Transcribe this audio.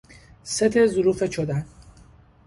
ست ظروف چدن